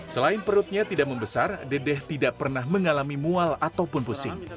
selain perutnya tidak membesar dedeh tidak pernah mengalami mual ataupun pusing